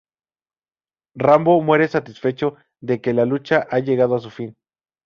Rambo muere satisfecho de que la lucha ha llegado a su fin.